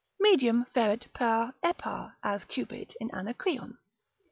Medium feret per epar, as Cupid in Anacreon.